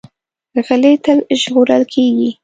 غلی، تل ژغورل کېږي.